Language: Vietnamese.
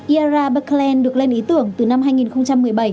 zara berkeland được lên ý tưởng từ năm hai nghìn một mươi bảy